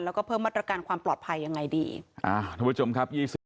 แต่ว่ามาตรวจดูหรือเปล่า